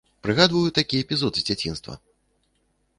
Прыгадваю такі эпізод з дзяцінства.